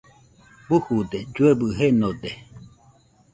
Bujude, lloebɨ jenode